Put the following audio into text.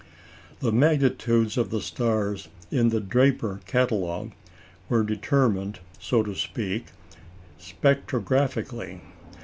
The magnitudes of the stars in the Draper Catalogue were determined, so to speak, spectrographically.